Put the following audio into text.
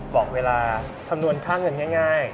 บอกเวลาคำนวณค่าเงินง่าย